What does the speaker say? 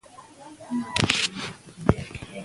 د ماشوم د خولې اوبه پاکې وساتئ.